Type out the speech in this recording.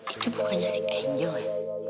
itu bukannya si angel ya